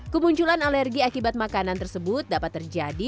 kemunculan alergi akibat makanan tersebut dapat terjadi